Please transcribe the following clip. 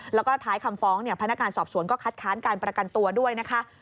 แล้วก็ท้ายคำฟ้องพนักงานสอบสวนก็คัดค้านการประกันตัวด้วยนะคะ